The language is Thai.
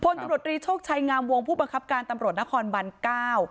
ตำรวจรีโชคชัยงามวงผู้บังคับการตำรวจนครบันเก้า